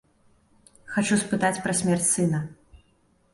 Хачу спытаць пра смерць сына.